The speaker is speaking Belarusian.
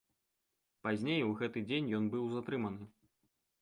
Пазней у гэты дзень ён быў затрыманы.